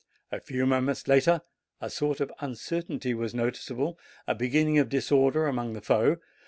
A few moments later a sort of uncertainty was noticeable, a beginning of disorder among the foe.